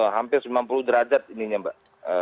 hampir sembilan puluh derajat ininya mbak